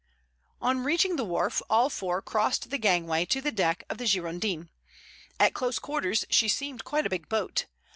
On reaching the wharf all four crossed the gangway to the deck of the Girondin. At close quarters she seemed quite a big boat.